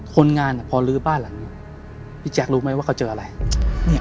คนงานพอลื้อบ้านหลังนี้พี่แจ๊ครู้ไหมว่าเขาเจออะไร